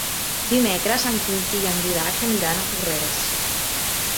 Dimecres en Quintí i en Dídac aniran a Porreres.